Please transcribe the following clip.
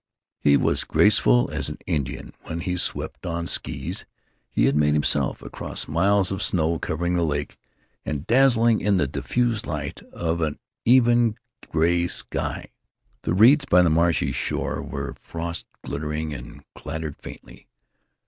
He was graceful as an Indian when he swept, on skees he had made himself, across miles of snow covering the lake and dazzling in the diffused light of an even gray sky. The reeds by the marshy shore were frost glittering and clattered faintly.